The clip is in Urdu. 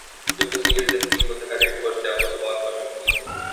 جو کثیر جہتی، متحرک اور سیاق و سباق پر مبنی ہو